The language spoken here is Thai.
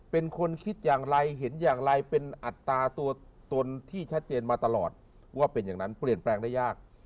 เป็นคนคิดอย่างไรเห็นอย่างไรเป็นอัตราตัวตนที่ชัดเจนมาตลอดว่าเป็นอย่างนั้นเปลี่ยนแปลงได้ยาก